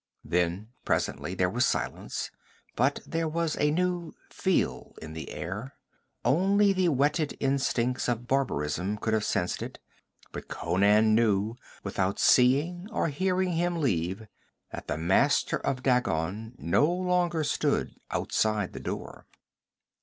Then presently there was silence, but there was a new feel in the air. Only the whetted instincts of barbarism could have sensed it, but Conan knew, without seeing or hearing him leave, that the master of Dagon no longer stood outside the door.